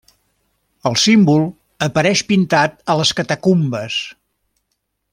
El símbol apareix pintat a les catacumbes.